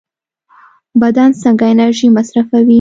بدن څنګه انرژي مصرفوي؟